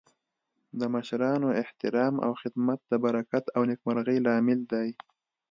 د مشرانو احترام او خدمت د برکت او نیکمرغۍ لامل دی.